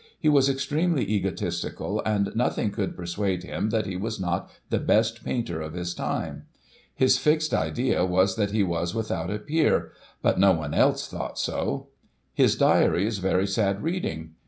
He was extremely egotistical, and nothing could persuade him that he was not the best painter of his time. His fixed idea was that he was without a peer — but no one else thought so. His diary is very sad reading.